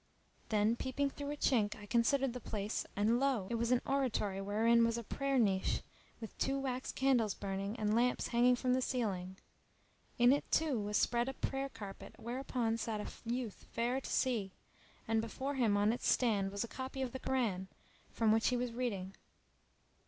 Then peeping through a chink I considered the place and lo! it was an oratory wherein was a prayer niche[FN#311] with two wax candles burning and lamps hanging from the ceiling. In it too was spread a prayer carpet whereupon sat a youth fair to see; and before him on its stand[FN#312] was a copy of the Koran, from which he was reading.